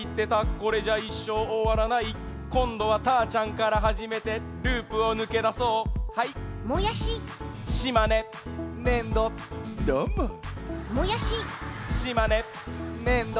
これじゃいっしょうおわらないこんどはたーちゃんからはじめてループをぬけだそうはいもやし島根ねんどどーももやし島根ねんど